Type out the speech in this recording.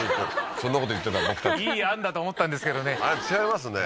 そんなこと言ってた僕たちいい案だと思ったんですけどねあれ違いますね